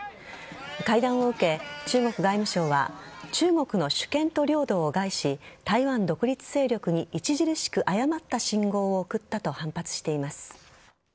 会談を受け、中国外務省は中国の主権と領土を害し台湾独立勢力に著しく誤った信号を送ったと反発しています。